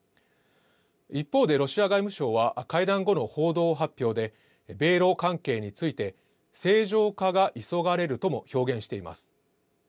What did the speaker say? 一方で、ロシア外務省は会談後の報道発表で、米ロ関係について、正常化が急がれるとも表現しています。